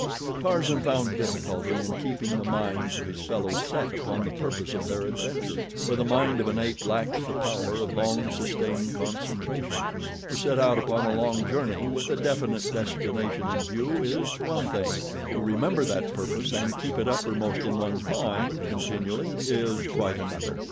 Tarzan found difficulty in keeping the minds of his fellows set upon the purpose of their adventure, for the mind of an ape lacks the power of long sustained concentration. To set out upon a long journey, with a definite destination in view, is one thing, to remember that purpose and keep it uppermost in one's mind continually is quite another.